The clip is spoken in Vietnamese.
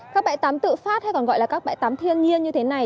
các bãi tắm tự phát hay còn gọi là các bãi tắm thiên nhiên như thế này